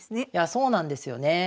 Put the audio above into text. そうなんですよね。